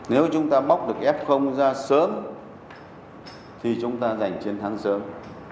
nếu chúng ta bóc được f ra sớm thì chúng ta giành chiến thắng sớm